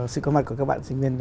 sự có mặt của các bạn sinh viên